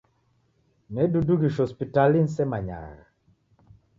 Nedudughishwa hospitali nisemanyagha.